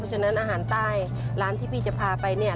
ฉะนั้นอาหารใต้ร้านที่พี่จะพาไปเนี่ย